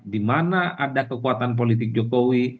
dimana ada kekuatan politik jokowi